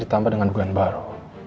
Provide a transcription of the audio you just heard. ditambah dengan dugaan baru